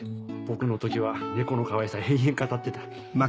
僕の時はネコのかわいさ延々語ってた。